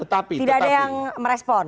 tidak ada yang merespon